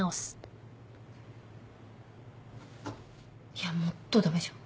いやもっと駄目じゃん。